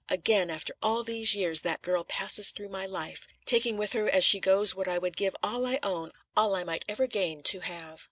Again, after all these years, that girl passes through my life, taking with her as she goes what I would give all I own, all I might ever gain, to have.